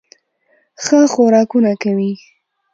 ښه خوراکونه کوي